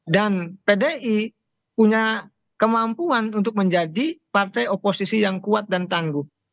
dan pdi punya kemampuan untuk menjadi partai oposisi yang kuat dan tangguh